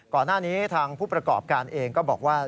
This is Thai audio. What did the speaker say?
ก่อนหน้านี้ทางผู้ประกอบการเองก็บอกว่า